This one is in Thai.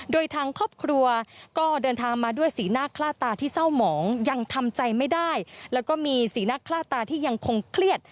โดยทางครอบครัวก็เดินทางมาด้วยสีหน้าคล่าตาที่เศร้าหมองยังทำใจไม่ได้แล้วก็มีสีหน้าคล่าตาที่ยังคงเครียด